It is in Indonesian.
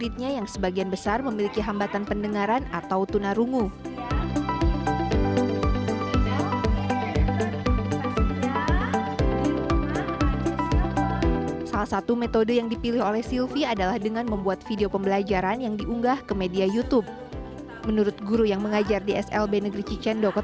dalam menggelar pembelajaran jarak jauh